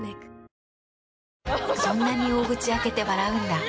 そんなに大口開けて笑うんだ。